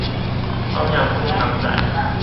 ต้มยำกุ้งน้ำใส